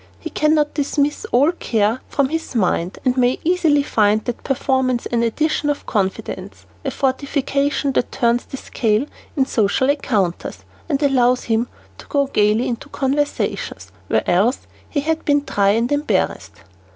He can then dismiss all care from his mind, and may easily find that performance an addition of confidence, a fortification that turns the scale in social encounters, and allows him to go gayly into conversations where else he had been dry and embarrassed.